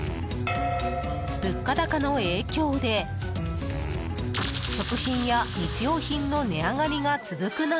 物価高の影響で、食品や日用品の値上がりが続く中